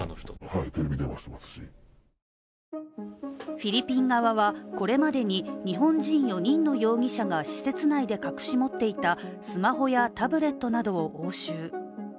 フィリピン側はこれまでに日本人４人の容疑者が施設内で隠し持っていたスマホやタブレットなどを押収。